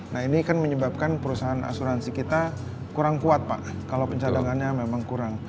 nah ini kan menyebabkan perusahaan asuransi kita kurang kuat pak kalau pencadangannya memang kurang